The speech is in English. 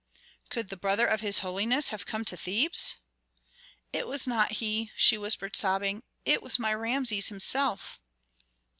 "Could the brother of his holiness have come to Thebes?" "It was not he," whispered she, sobbing. "It was my Rameses himself."